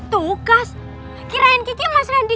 tugas kirain kiki mas randy